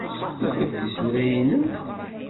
Tufiḍ-d tisura-nnem?